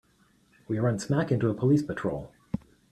We run smack into a police patrol.